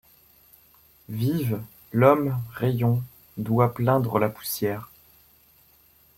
Vivent ; l’homme, rayon, doit plaindre la poussière ;